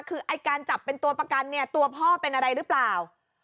คือไอ้การจับเป็นตัวประกันเนี่ยตัวพ่อเป็นอะไรหรือเปล่า